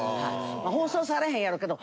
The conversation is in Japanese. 放送されへんやろけど。